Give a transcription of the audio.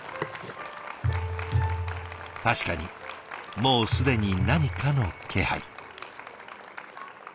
確かにもうすでに何かの気配。